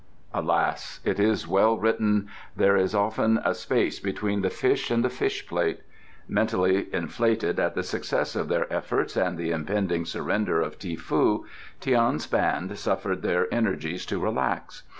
Alas! it is well written: "There is often a space between the fish and the fish plate." Mentally inflated at the success of their efforts and the impending surrender of Ti foo, Tian's band suffered their energies to relax.